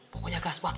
pokoknya gak apa apa